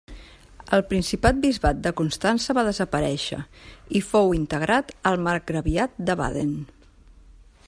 El principat-bisbat de Constança va desaparèixer i fou integrat al marcgraviat de Baden.